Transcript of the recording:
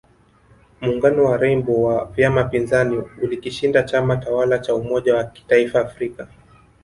Muungano wa Rainbow wa vyama pinzani ulikishinda chama tawala cha umoja wa kitaifa Afrika